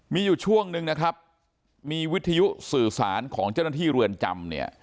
มีอยู่ช่วงนึงนะครับมีวิทยุสื่อสารของเจ้าหน้าที่เรือนจำเนี่ย